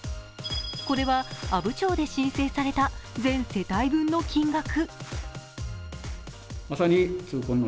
これは阿武町で申請された全世帯分の金額。